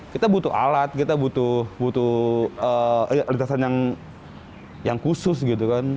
kita butuh alat kita butuh lintasan yang khusus gitu kan